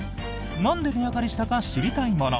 なんで値上がりしたか知りたいもの。